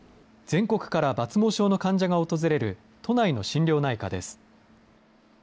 全国から抜毛症の患者が訪れる都内の心療内科です。